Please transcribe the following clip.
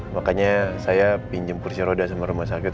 makanya saya pinjem porsi roda sama rumah sakit